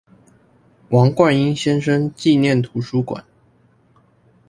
王貫英先生紀念圖書館